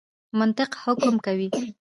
منطق حکم کوي.